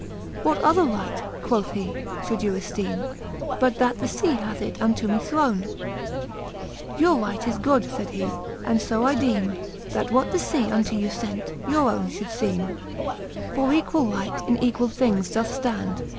What othei right, quoth he, fhould you efteeme, But that the fea hath it unto nie throwne? Your right is good, fayd he, and fb I deeme. That what the lea unto you lent, your owne ftiould leeme. XIX. For equall right in equall things doth ftand.